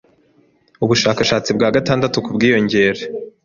Ubushakashatsi bwa gatandatu ku bwiyongere